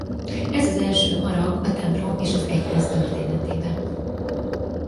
Ez az első harang a templom és az egyház történetében.